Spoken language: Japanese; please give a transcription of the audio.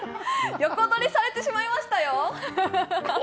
横取りされてしまいましたよ。